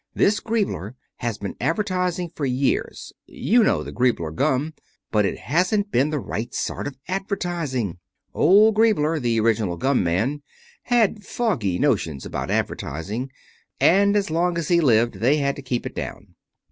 This Griebler has been advertising for years. You know the Griebler gum. But it hasn't been the right sort of advertising. Old Griebler, the original gum man, had fogy notions about advertising, and as long as he lived they had to keep it down.